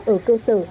ở cơ sở